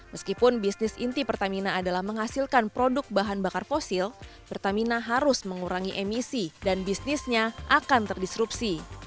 meskipun bisnis inti pertamina adalah menghasilkan produk bahan bakar fosil pertamina harus mengurangi emisi dan bisnisnya akan terdisrupsi